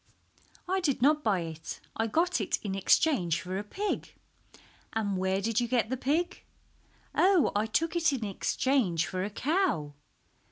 "I did not buy it, I got it in exchange for a pig." "And where did you get the pig?" "Oh, I took it in exchange for a cow."